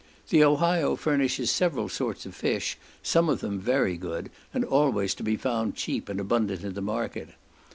The Ohio furnishes several sorts of fish, some of them very good, and always to be found cheap and abundant in the market.